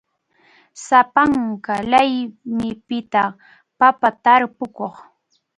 Sapanka laymipitaq papa tarpukuq.